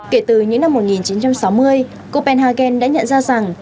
kể từ những năm một nghìn chín trăm sáu mươi